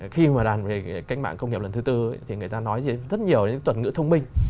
khi mà đàn về cách mạng công nghiệp lần thứ tư thì người ta nói rất nhiều những tuần ngữ thông minh